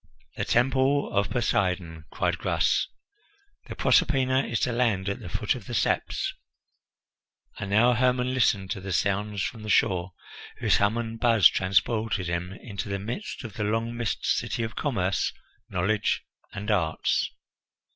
"The Temple of Poseidon!" cried Gras. "The Proserpina is to land at the foot of the steps." And now Hermon listened to the sounds from the shore, whose hum and buzz transported him into the midst of the long missed city of commerce, knowledge, and arts.